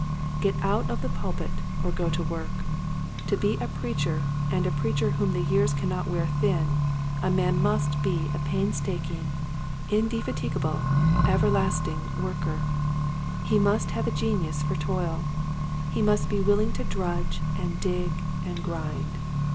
Get out of the pulpit or go to work. To be a preacher and a preacher whom the years cannot wear thin, a man must be a painstaking, indefatigable, everlasting worker. He must have a genius for toil. He must be willing to drudge and dig and grind.